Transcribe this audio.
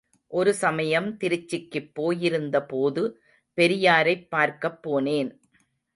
ஒரு சமயம் திருச்சிக்குப் போயிருந்தபோது பெரியாரைப் பார்க்கப்போனேன்.